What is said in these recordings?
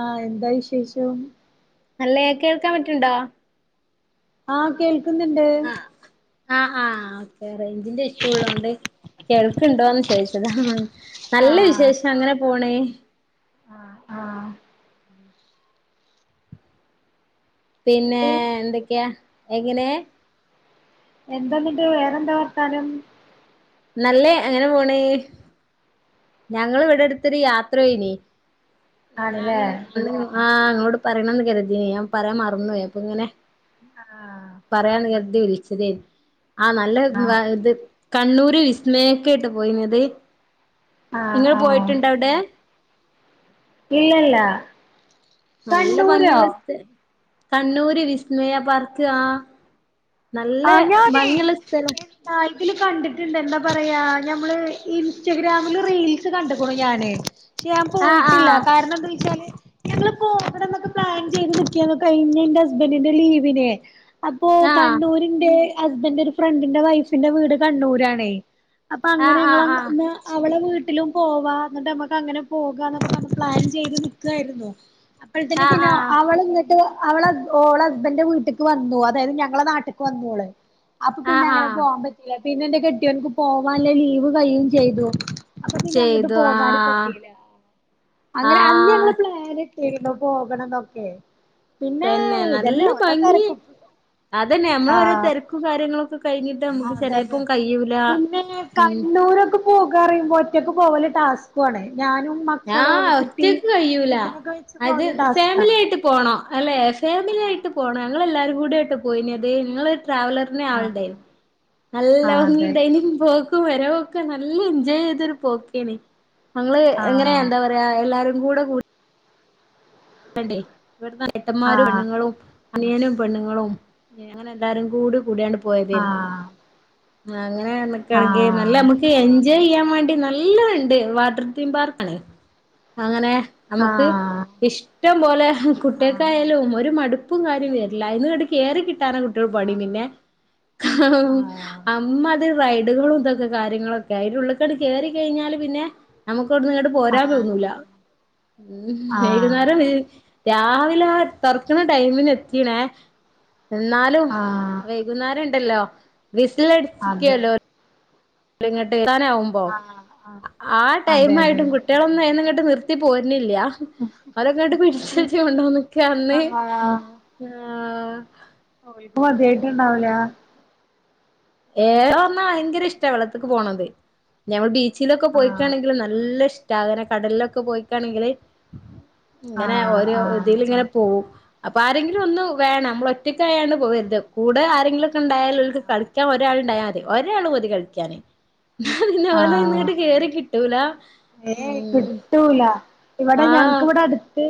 ആഹ എന്താ വിശേഷോം. നലെ കേൾക്കാൻപറ്റ്ണ്ടോ. ആഹ കേൾക്കുന്നുണ്ട് ആഹ് ആഹ് ആഹ് ഓക്കെ റേഞ്ചിന്റെ ഇഷ്യൂള്ളോണ്ട്. കേൾക്കുണ്ടോന്ന് ചോയിച്ചതാ നല്ലവിശേഷം അങ്ങനെ പോണ്. ആഹ ആഹ. പിന്നെ എന്നിട്ട് എന്തക്ക്യ എങ്ങനേ. എന്താനിട്ട് വേറെന്താവർത്താനം. നല്ലേ അങ്ങനെപോണേ. ഞങ്ങളിവ്ടെ എട്ത്തൊര് യാത്രൊയ്നി. ആണല്ലേ ഞാന് ആഹ് ഇങ്ങളോട് പറയണന്ന് കെര്തീനി ഞാൻ പറയാൻ മർന്നോയി അപങ്ങനെ. ആഹ്. പറയാന്ന് കര്തി വിൾച്ചെതേനി ആഹ് നല്ല വ ആഹ് ഇത് കണ്ണൂ ട് വിസ്മയേക്കേട്ടൊ പൊയിനത് ആഹ് ഇങ്ങൾ ആഹ് പോയിട്ടിണ്ടവ്ടെ. ഇല്ലല്ല. നല്ല കണ്ണൂരോ ഭംഗിള്ള സ് കണ്ണൂര് വിസ്മയ പാർക്ക് ആഹ്. ആഹ് ഞാനേ. ആ ഇതില് കണ്ടിട്ടിണ്ട് എന്താ പറയാ ഞമ്മള് ഇൻസ്റ്റഗ്രാമില് റീൽസ് കണ്ടിക്ക്ണു ഞാന്. ഞാൻ ആ ആ പോയ്ട്ടില്ല കാര്ണെന്തോയ്ച്ചാല്. ഞങ്ങള് പോവണംന്നൊക്കെ പ്ലാൻ ചെയ്ത് നിക്കെയ്ന്നു കൈഞ്ഞെന്റെ ഹസ്ബന്റിന്റെ ലീവിന്. അപ്പോ ആ കണ്ണൂരിന്റെ ഹസ്ബന്റെ ഒരു ഫ്രണ്ടിന്റെ വൈഫിന്റെ വീട് കണ്ണൂരാണേ. അപ്പൊ ആ അങ്ങനെ ആ ഞങ്ങള് ആ ന്നാ അവളെ വീട്ടിലും പോവാ ഇന്നിട്ടമ്മക്ക് അങ്ങനെ പോകാന്നൊക്കെ പർഞ്ഞ് പ്ലാൻ ചെയ്ത് നിക്കായ്ര്ന്നു. ആ [unintelligible] പിന്നെ അവളിങ്ങട്ട് അവള ഓളെ ബ്ബന്റെ വീട്ടിക്ക് വന്നു അതായ്ത് ഞങ്ങളെ നാ ട്ടിക്ക് വന്ന്വോള് അപ്പ ആ ആ പിന്നെ ആ അങ്ങനെ പോവാൻ പ പിന്നെന്റെ കെട്ട്യോൻക്ക് പോവാൻല്ലേ ലീവ് കയ്യും ചെയ്തു അപ്പ പിന്നെ അങ്ങട്ട് ചെയ്തു ആ പോകാനും പറ്റീല ആ അങ്ങനെ അന്ന് ഞങ്ങള് പ്ലാന് ചെയ്ന്നു പോകണന്നൊക്കെ പിന്നെ നല്ല ഇതന്നെ ഓരോ ഭംഗി തെരക്കും അതന്നെ അമ്മള ഓരൊ ആഹ് തെരക്കും കാര്യങ്ങളൊക്കെ കൈഞ്ഞ് അതെ അതെ പിന്നെ ഉം കണ്ണൂരൊക്കെ പോകാറീമ്പോ ഒറ്റക്ക് പോകല് ടാസ്ക്വാണ് ഞാനും ആഹ് മക്കളും കുട്ടി ഒറ്റക്ക് കയ്യൂല കുട്ടിനൊക്കെ വെച്ച് അത് പോവല് ഫാമിലി ടാസ്കാണ് ആയിട്ട് പോണൊ അല്ലെ ആഹ് ഫാമിലിയായിട്ട് പോണം ആഹ് ഞങ്ങളെല്ലാരും കൂട്യാട്ടോ പോയിന്യെത് ഇങ്ങള് ട്രാവല ആഹ് ആഹ് അൾണ്ടെയ്നിം ആഹ് നല്ല അതെ ഹംഗിണ്ടെയ്നിം പോ ക്കും വരവൊക്കെ നല്ല എൻജോയ് ചെയ്തൊരു പോക്കെയ്നി അങ്ങള് ഇങ്ങനെ ആഹ് എന്താ പ റയാ എല്ലാരും കൂടെ കൂ ണ്ടെ ഇവടെന്നാ ഏട്ടമ്മാരും ആഹ് പെണ്ണിങ്ങളും അനിയനും പെണ്ണിങ്ങളും അങ്ങനെ എല്ലാരും കൂടി കൂടിയാണ് ആഹ് ആവ് അങ്ങനെ [unintelligible] നല്ല ആഹ് അമ്മക്ക് എഞ്ച് ജൊയ് യെയ്യാൻ വാണ്ടി നല്ലതണ്ട് വാട്ടർ തീം പാർക്കാണ് അങ്ങനെ അമക്ക് ആഹ് ഇഷ് ടം പോലെ ആഹ് കുട്ട്യാക്കായാലും ഒരു മടുപ്പും കാര്യം വെര്ല്ല അയ്ന്നിങ്ങട്ട് കേറി കിട്ടാനാ കുട് പണി ആഹ് പിന്നെ അമ്മാതിരി റൈഡുകളും ഇതൊക്കെ കാര്യങ്ങളൊക്കെ അയ്ൻ്റുള്ളക്കണ്ടികേറി കൈഞ്ഞാല് പിന്നെ ഞമ്മക്കവ്ട്ന്നിങ്ങട്ട് പോരാൻ ആഹ് ആഹ് തോന്നൂല്ല വെയ്കുന്നാ രാവിലെ ആഹ് തൊർക്കിണെ ടൈമിനെത്തിണേ ഇന്നാലും ആഹ് ആഹ് വെയ്കുന്നേരണ്ടല്ലോ വിസില അതെ അട്ച്ചിക്കെല്ലോ ഇങ്ങട്ട് എത്താനാവുമ്പം ആഹ് ആഹ് ആഹ് ടൈം അതെ അതെ ആയിട്ടും കുട്ട്യാളൊന്നും ഐന്നിങ്ങട്ട് നിർ ത്തി പോര്നില്ല്യ അവരൊക്കെട്ട് പിടിച്ചച്ച് കൊണ്ടോന്നൊക്കെ അന്ന് ആഹ് ആഹ് ഓൽക്ക് മത്യായ്ട്ടിണ്ടാവ്ല ഏ ഒന്നാ ഭയ്ങ്കരെഷ്ട വെള്ളത്തക്ക് പോണത് നമ്മള് ബീ ച്ചിലൊക്കെ ആഹ് പോയിക്കാണെങ്കില് നല്ലിഷ്ട ഇങ്ങനെ കടൽലൊക്കെ പോയിക്കാണെങ്കില് ഇങ്ങനെ ആഹ് ഓരോ ആഹ് ഇതിൽ ഇങ്ങനെ പോവും അപ്പ ആരെങ്കിലും ഒന്ന് വേണം നമ്മൾ ഒറ്റക്കായാണ് പോയരുത് കൂടെ ആരെങ്കിലൊക്കെ ഇണ്ടായാല് ഓൽക്ക് ആഹ് കളി ണ്ടായാതി ഒരാള് മതി കളിക്കാൻ ഓലെ ആഹ് ഐന്നിങ്ങട്ട് കേറി കിട്ടൂല ഏയ് ഉം കിട്ടൂല ഇവിടെ ഞങ്ങ്ക്ക് ആഹ് ഇവിടെ അടിത്ത്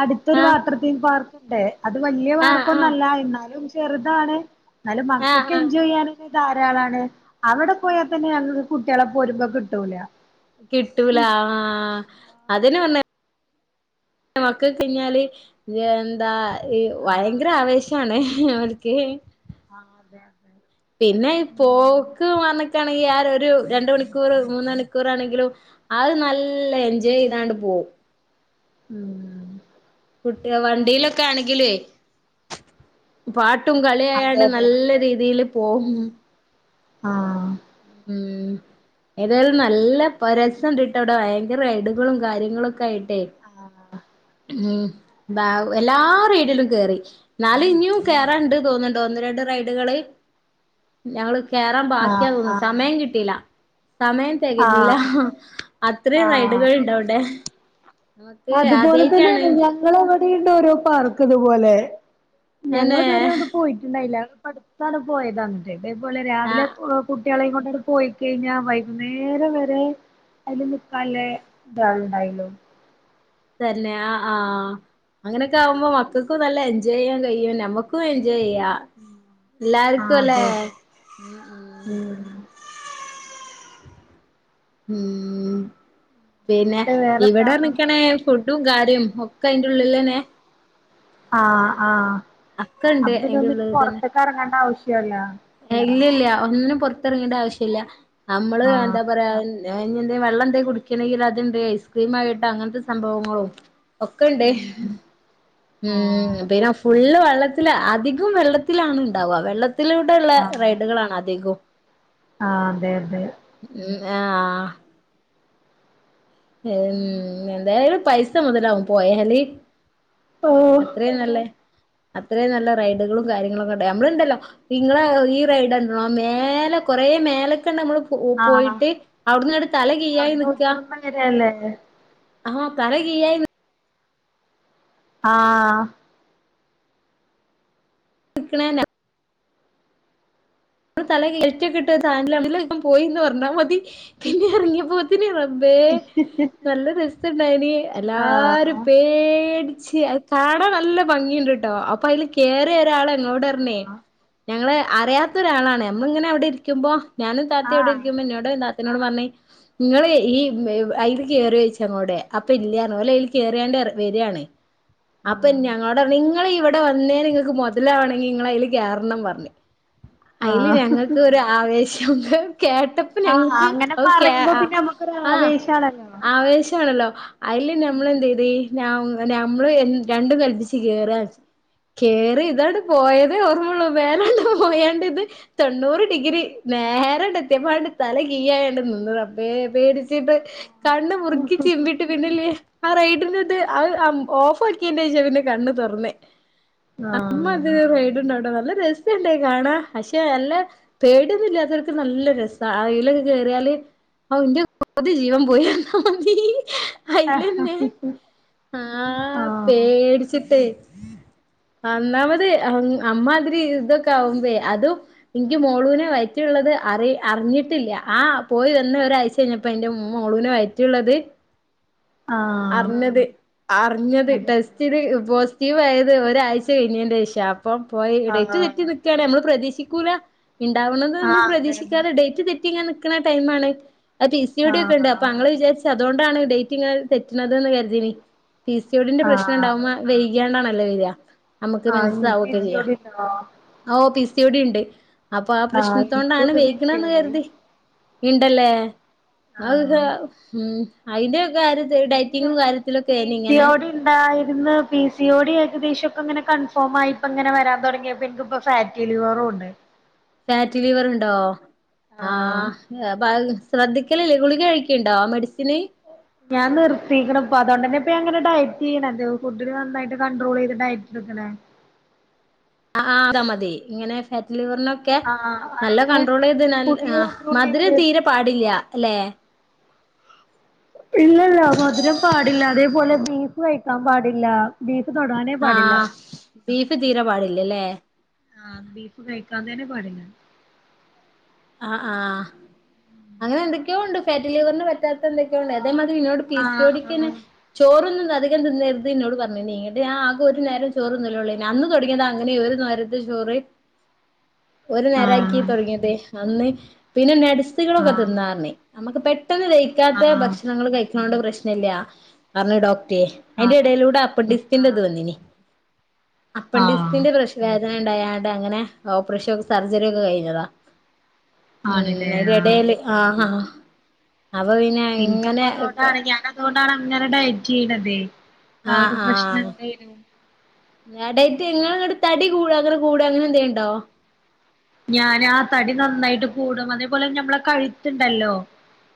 അട്ത്തൊരു ആഹ് വാട്ടർ തീങ് പാർക്ക്ണ്ട് അത് വല്യ ആഹ് പാർക്കൊന്നു ആഹ് അല്ല എന്നാലും ചെറ്താണ് എന്നാലും ആഹ് മക്കക്ക് ആഹ് എൻജോയെയ്യാന് ധാരാളാണ് അവിടെ പോയാ തന്നെ ഞങ്ങക്ക് കുട്ട്യാളെ പോരുമ്പം കിട്ടൂല കിട്ടൂല ആഹ് അതനെ പർഞ്ഞെ മക്കക്ക് കയ്ഞ്ഞാല് എന്താ ഈ ആഹ് വയങ്കര ആവേശണ് അവർക്ക് ആഹ് അതെ അതെ പിന്നെ ഈ ഉം പോക്ക് വന ക്കാണെങ്കിൽ ആ ഒരു രണ്ട് മണിക്കൂർ മൂന്നണിക്കൂറാണെങ്കിലും അത് നല്ല എൻജോയെയ്താണ്ട് പോവും ഉം കുട്ടിക വണ്ടീലൊക്കെ ആണെങ്കിലേ പാട്ടും അതെ കള്യായാണ്ട് അതെ നല്ല രീതിൽ പോവും ആഹ് ഉം ഏതായാലും നല്ല പ രസംണ്ട്ട്ടവെടാ ഭയങ്കര എട്കളും കാര്യങ്ങളും ഒക്കെ ആയിട്ടേ ആഹ് ഉം ബാ എല്ലാ റെയ്ഡിലും കേറി ന്നാലും ഇനിയും കേറാണ്ട് തോന്ന്ണ്ട് ഒന്ന് രണ്ട് റൈഡ്കള് ഞങ്ങള് കേറാം ബാക്കിയാ തോന്ന്ന്നു ആഹ് സമയം കിട്ടില്ല സമയം ആഹ് തെകഞ്ഞീല ആഹ് അത്രെയും ആഹ് റൈഡ്കള്ണ്ട് വ്ടെ. അതുപോലെ തന്നേണ് ഞങ്ങളെ വിടിണ്ട് ഓരോ പാർക്ക്ത്പോലെ അന്നെ ഞങ്ങള് ഇതുവരെ അങ്ങട്ട് പോയിട്ട്ണ്ടായില്ല പ്പ അടുത്താണ് പോയതങ്ങട് ഇതേപോലെ ആ രാവിലെ പോ കുട്ട്യാളെയും കൊണ്ടാണ്ട് പോയിക്കഴിഞ്ഞാ വൈകുന്നേരം വെരേ അയിൽ മുക്കാലെ ഇതാണ് ണ്ടായിള്ളു തന്നെ ആഹ് ആഹ് അങ്ങെനെക്കെ ആവുമ്പോ മക്കക്കും നല്ല എൻജോയ് ചെയ്യാൻ കഴിയും ഞമ്മക്കും എൻജോയെയ്യാ എല്ലാര്ക്കും ആഹ് ലേ അതെ അതെ ഉം ഉം ഉം ഊം പിന്നെ എന്നിട്ട് വേറെന്താ ഇവിടെ നിക്കെണേ ഫുഡും കാര്യും ഒക്കെ അയ്ന്റുള്ളിലെന്നെ ആഹ് ആഹ് അക്കണ്ട് അപ്പൊ പിന്നെ അയിന്റെ ഒന്നിനും പൊറത്ത്ക്ക് എറെങ്ങെണ്ട ആവശ്യാെല്ലാ എ ഇല്ല ഇല്ല ഒന്നിനും പാെർത്തിറങ്ങേണ്ട ആവശ്യല്ല അമ്മള് ആഹ് എന്താ പറയാ [unintelligible] എന്തേ വെള്ളന്തേ കുടിക്കണെങ്കിൽ അത്ണ്ട് ഐസ്ക്രീം ആയിട്ട് അങ്ങൻത്തെ സംഭവങ്ങളും ഒക്കെണ്ട് ഉം ഉം ആഹ് പിന്നെ ഫുള്ള് വെള്ളത്തില അധികം വെള്ളത്തിലാണ് ണ്ടാവ വെള്ളത്തില് ത്ത്ള്ളെ ആഹ് റൈഡ്കളാണ് അധികും ആഹ് അതെ അതെ ഉം ആഹ് ഉം എന്തായാലും പൈസ മൊതലാവും പോയാല് ഓഹ് അത്രേയും നല്ലെ അത്രേയും നല്ലെ റൈഡ്കളും കാര്യങ്ങളൊക്കെണ്ട് നമ്മള്ണ്ടല്ലോ ഇങ്ങള് ഈ റൈഡണ്ട്ണോ മേലെ കൊറേ മേലക്കാണ്ട് നമ്മള് പൂ ആഹ് പോയിട്ട് അവിട്ന്ന്ങ്ങട്ട് തല കീയ്യായി നിക്ക അതെന്നെ ആഹ് തലകീയ്യായി നി. ആഹ് ക്ക്ണേന തല കീഴാ [unintelligible] പോയിന്ന് പർഞ്ഞാ മതി പിന്നെ എർങ്ങ്യപ്പോ ത്തിന് റബ്ബേ നല്ല രസണ്ടായ്നി എല്ലാരും ആഹ് പേട്ച്ച് അ കാണാൻ നല്ല ഭംഗിണ്ട്ട്ടോ അപ്പൊ അയിൽ കേറ്യ ഒരാള് എന്നോടർഞ്ഞേ ആഹ് ഞങ്ങളെ അറ്യാത്തൊരാളാണ് ഞമ്മള്ങ്ങനെ അവിടിര്ക്കുമ്പോ ഞാനും താത്തി ആഹ് അവിടിര്ക്കുമ്പോ ഇന്നോ ടും താത്തനോടും പർഞ്ഞ്. ങ്ങള് ഈ വെ അയില് കേറ്യോയ്ച്ച് അങ്ങളോട് അപ്പല്ലറ്ഞ്ഞ് ഓലയ്‌ല് കേറ്യാണ്ട് എർ വെരാണ്. അപ്പൊം ആഹ് ഞങ്ങളോടർഞ്ഞ് ങ്ങള് ഇവിടെ വന്നേന് ങ്ങക്ക് മൊതലാവണെങ്കി ങ്ങളയ്ല് കേറണം പർഞ്ഞ്. അയില് ഞങ്ങക്ക് ആഹ് ഒരു ആവേശം കേട്ട ആഹ് അങ്ങനെ പറയുമ്പോ പിന്നെ നമ്മക്കൊരു ആഹ് ആവേശാണല്ലോ. ആവേശാണല്ലോ. അയില് ഞമ്മളെന്തെയ്ത് ഞ ഞമ്മള് എ രണ്ടും കല്പ്പിച്ച് കേറാച്ച്. കേറി ഇതണ്ട് പോയതേ ഓർമ്മള്ളൂ മേലാണ്ട് പോയാണ്ട്ത്. തൊണ്ണൂറ് ഡിഗ്രി നേരണ്ടത്തിയപ്പണ്ട് തലകീയ്യായാണ് നിന്ന് റബ്ബേ പേടി ച്ചിട്ട് കണ്ണ് മുറുക്കി ചിമ്പിട്ട്. പിന്നല്ലെ ആ റൈഡിന്റത് അഹ് അം ഓഫാക്ക്യേന്റേഷാ പിന്നെ കണ്ണ് തൊർന്നെ. അമ്മാതിരി റൈഡ് ണ്ടോടാ നല്ല രസ് ണ്ട കാണാ പക്ഷെ നല്ല പേട്യൊന്നുല്ലാത്തോൽക്ക് നല്ല രസ അയ്ലൊക്കെ കേറ്യാല്. ഔ ന്റെ പൗതി ജീവപോയി [unintelligible] ആഹ് അയ്ലെന്നെ ആ ആഹ് പേടിച്ചിട്ടേ ആ ന്നാമത് അം അമ്മാതിരി തൊക്കൊവ്പേ അതും. ഇൻക്ക് മോളുനെ വയ്റ്റിള്ളത് അറി അർഞ്ഞിട്ടില്ല ആ പോയി വന്ന ഒരാഴ് ചെഞപ്പോ ന്റെ മോളുനെ വയറ്റ്ള്ളത്. ആഹ് അർഞ്ഞത് അർഞ്ഞത് അതെ അതെ ടെസ്റ്റ്ത് പോസ്റ്റീവായത് ഒരാഴ്ച കഴിഞ്ഞേന്റെഷാ. പ്പൊ പോയി ഡേറ്റ് തെറ്റി ആഹ് നിക്കാണ് നമ്മള് പ്രതീക്ഷിക്കൂല ണ്ടാവണന്ന് നമ്മൾ ആഹ് അതെ അതെ പ്രതീക്ഷിക്കാതെ ഡേറ്റ് തെ റ്റിങ്ങ നിക്ക്ണ ടൈമാണ് അത് പി സി ഒ ഡി ഒക്കെണ്ട് അപ്പ ആഹ് അങ്ങള് വിചാരിച്ച അതൊണ്ടാണ് ഡേറ്റിങ്ങ തെറ്റ്ണത് ന്ന് കര്തീനി പി സി ഒ ഡി ന്റെ ആഹ് പ്രശ്നണ്ടാവുമ്പ വൈക്യാണ്ടാണല്ലോ വെര. അമക്ക് ആഹ് ഇങ്ങക്ക് പി മൻസസാവൊക്കെ സി ചെയ്യ ഓടി ഉണ്ടോ ഓ പി സി ഒ ടിണ്ട്. അപ്പാ ആഹ് പ്രശ്നത്തോണ്ടാണ് എനിക്കുണ്ട് പി സി വെയ്കണന്ന് ഓടി കര്തി. ഇണ്ടല്ലേ അഹ് ഹ ആഹ് ഉം അയ്ന്റെ കാര്യ ത് ഡൈറ്റിങ്ങും കാര്യത്തിലൊക്കെനി ങ്ങനെ. ണ്ടായിര്ന്ന് പി സി ഒ ഡി ഏകദേശം ഒക്കങ്ങനെ കൺഫോമായി പ്പങ്ങനെ വരാൻ തൊടങ്ങ്യപ്പൊ ൻക്ക്പ്പൊ. ഫാറ്റിലിവറുണ്ട്. ഫാറ്റ്ലിവറ്ണ്ടോ ആഹ്. അപ്പഹ് ശ്രദ്ധിക്കല്ല്ലേ ഗുളിക കഴിക്ക്ണ്ടോ മെഡിസിന്. ഞാ നിർത്തിക്ക്ണ്പ്പ അതൊണ്ടെന്നെപ്പൊ ഞാങ്ങനെ ഡയറ്റെയ്യണ തു ഫുഡില് നന്നായിട്ട് കണ്ടട്രോളെയ്ത് ഡയറ്റ്ട്ക്കണേ. അ ആഹ് അത മതി ങ്ങനെ ഫാറ്റ്ലിവറിന ക്കെ ആഹ് നല്ല അയിന് കൺണ്ട്രോളെയ്ത് ഞന് ഫുഡില് ആഹ് കണ്ട്രോൾ മധുരം ചെയ്യല് തീരെ പാടില്ല്യ ലെ. ഇല്ലല്ല മധുരം പാടില്ല അതേപോലെ ബീഫ് കഴിക്കാ പാടില്ല. ബീഫ് തൊടാനേ പാടില്ല. ആഹ് ബീഫ് തീരെ പാടില്ലല്ലേ ഉം ബീഫ് കഴിക്കാ തന്നെ പാടില്ല. ആഹ് ആഹ് അങ്ങനെന്തൊക്ക്യോണ്ട് ഫാറ്റി ലിവർന് പറ്റാത്ത എന്തൊക്ക്യോണ്ട് അതേ മതിരി ന്നോട്. പി സി ഒ ഡി ക്കന്നെ ആഹ് ചോറൊന്നും അധികം തിന്നേര്ത് ന്നോട് പറഞ്ണ് ന്നട് ആ. പ്പൊരു നേരം ചോറ്ന്നലൊള്ളേനി അന്ന് തൊട്ങ്ങ്യതാ അങ്ങനെ ഒരു നേരത്തെ ചോറ്. ഒരു നേരാക്കി ആഹ് തൊട്ങ്ങ്യതേ അന്ന് പിന്നെ ആഹ് നട്സ്കളൊക്കെ ആഹ് തിന്നാർഞ്ഞ്. അമ്മക്ക് പെട്ടെന്ന് ദഹിക്കാത്ത ആഹ് ഭക്ഷണങ്ങള് കഴിക്ക്ണോണ്ട് പ്രശ്നല്ലാ അർഞ്ഞ് ഡോക്റ്റെ. ആഹ് അയ്ന്റെടെലൂടെ അപ്പൻ ആഹ് ഡിസ്ത്തിന്റെത് വന്നീനി അപ്പൻ ആഹ് ഡിസ്ത്തിന്റെ പ്രശ് വേദനണ്ടായാണ്ട് അങ്ങനെ ഓപ്പറേഷൊക് സർജറി ഒക്കെ കഴിഞ്ഞതാ. ഉം ആണ്ല്ലേ ആഹ് അയ്ന്റെടേല് ആഹ അപ്പൊ പിന്നെ ങ്ങനെ ഒക്കെ. അതോണ്ടാണങ്ങനെ ഡയറ്റെയ്യണതേ ആ ഒരു പ്രശ്നം എന്തയും. ഏ ഡെയ്റ്റെ ങ്ങള് ങ്ങട് തടി കൂട അങ്ങന കൂട അങ്ങനെന്തേണ്ടോ. ഞാനാ തടി നന്നായിട്ട് കൂടും അതേപോലെ ഞമ്മളെ കഴുത്ത്ണ്ടല്ലോ.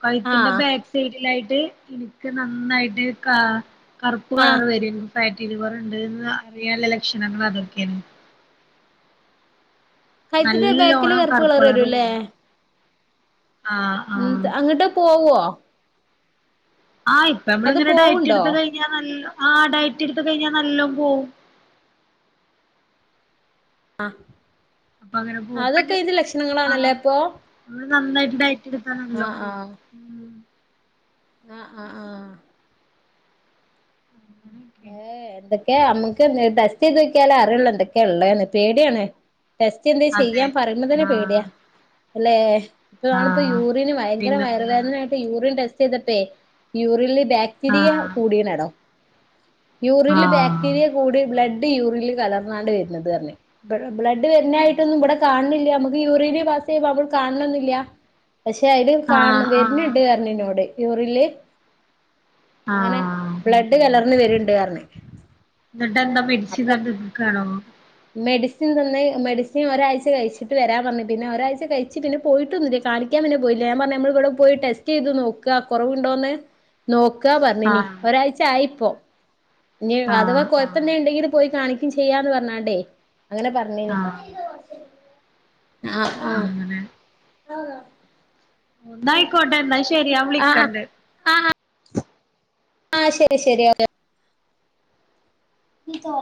കഴുത്തിന്റെ ആഹ് ബാക്ക് സൈഡിലായിട്ട് നിക്ക് നന്നായിട്ട് കാ. കറുപ്പ് കളർ വര ഫാറ്റിലിവർണ്ട്ന്ന് അറിയാനുള്ള ലക്ഷണങ്ങളാതൊക്കെ കഴുത്തിന്റെ ബേക്കില് നല്ലോണം കർപ്പ് കറുപ്പ് കളർ വരുല്ലേ കൂടും ആഹ് ആഹ് അങ്ങട്ട് പോവോ ആഹ അത് ഇപ്പമ്മള്ങ്ങനെ ഡയറ്റ് പോവുണ്ടോ എടുത്ത കഴിഞ്ഞാൽ നല്ല ആഹ ഡയറ്റ് എടുത്ത കഴിഞ്ഞാ നല്ലൊം പോവും ആഹ അപ്പൊ അങ്ങനെ അതൊക്കയിന്റെ ലക്ഷണങ്ങളാണല്ലേ അപ്പൊ അത് നന്നായിട്ട് ഡയറ്റെടുത്താനല്ലോ ആഹ് ആഹ ആഹ ആഹ അങ്ങനെയൊക്കെ ഏഹ എന്തൊക്കെ അമ്മക്ക് ടെസ്റ്റ് ചെയ്തോക്കിയാലേ അറിയൊള്ളു എന്തൊക്കെള്ളേന്ന് പേടിയാണ് ടെസ്റ്റ് എന്തേ അതെ ചെയ്യാൻ പറയുമ്പ തന്നെ പേടിയ ആഹ് ലേ താണിപ്പോ ആഹ് യൂറീന് ഭയങ്കര പിന്നെന്താ വയർവേദനായി ട്ട് യൂറീൻ ടെസ്റ്റ് ചെയ്തപ്പേ യൂറിൻല് ബാക്ടീരിയ ആഹ് കൂടിണടോ യൂറിൻല് ആഹ് ബാക്ടീരിയ കൂടി ബ്ലഡ് യൂറില് കലർന്നാണ്ട് വരുന്നത് അർഞ് ബ്ലഡ് വരുന്ന ആയ്ട്ടൊന്നും വടെ കാണില്ല മക്ക് യൂറീന പാസ് ചെയ്യ്പ നമ്മൾ കാണന്നില്ല പഷേ അയില് കാണ ആഹ് വര്ണ് ആഹ് പറഞ്ഞ് ന്നോട് യുറിൻല് അങ്ങനെ ആഹ് ബ്ലഡ് കലർന്ന് വര്ണ്ട്റഞ്ഞ്. എന്നിട്ടെന്താ മെഡിസിനെക്കാണോ? മെഡിസിൻ തന്നെ മെഡിസിൻ ഒരാഴ്ച കഴിച്ചിട്ട് വരാൻ പർഞ്ഞ് പിന്നെ ഒരാഴ്ച കഴിച്ച പിന്നെ പോയിട്ടൊന്നുല്ല കാണിക്ക്. ക്ക പിന്നെ പോയില്ല ഞാ പറഞ്ഞ് നമ്മളി വ്ടെ പോയി ടെസ്റ്റെയ്ത് നോക്ക്അ കൊറവുണ്ടോന്ന്. നോക്കാ പറഞ്ഞിനി ആഹ് ഒരാഴ്ചായിപ്പോ. ഇനി അഥവാ ആഹ് ആഹ് കൊയപന്തെ ഇണ്ടെങ്കില് പോയി കാണിക്കു ചെയ്യാന്ന് പറഞ്ഞാണ്ടേ അങ്ങനെ പറഞ്ഞിനി. ആഹ് ആഹ ആഹ അങ്ങനെ [unintelligible] ഒന്നായ്ക്കോട്ടെ ന്നാ ശരി ഞാ ആഹ് വിളിക്ക്ണ്ട്. ആഹ് ശരി ശരി ഓകെ. ഇതാ.